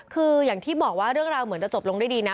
คืออย่างที่บอกว่าเรื่องราวเหมือนจะจบลงด้วยดีนะ